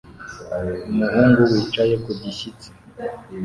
Umuhungu wicaye ku gishyitsi